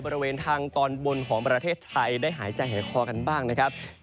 บริเวณทางตอนบนของประเทศไทยได้หายใจหายคอกันบ้างนะครับ